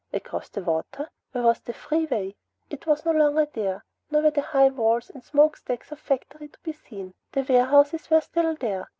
Across the water! Where was the freeway? It was no longer there, nor were the high walls and smokestacks of factories to be seen. The warehouses were still there.